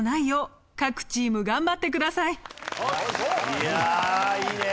いやいいねえ。